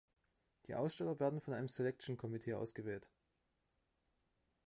Die Aussteller werden von einem Selection Committee ausgewählt.